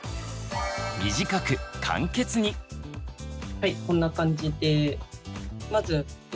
はいこんな感じで。